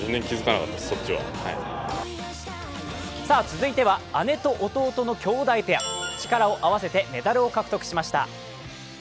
続いては姉と弟のきょうだいペア、力を合わせてメダルを獲得しました。